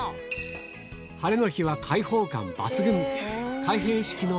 晴れの日は開放感抜群！